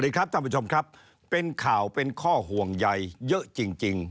ครับท่านผู้ชมครับเป็นข่าวเป็นข้อห่วงใยเยอะจริง